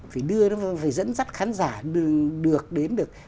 phải dẫn dắt khán giả được đến được